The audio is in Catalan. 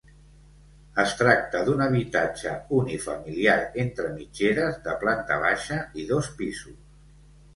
Es tracta d'un habitatge unifamiliar entre mitgeres de planta baixa i dos pisos.